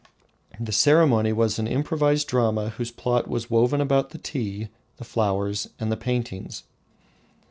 The ceremony was an improvised drama whose plot was woven about the tea, the flowers, and the paintings.